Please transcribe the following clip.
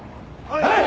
はい！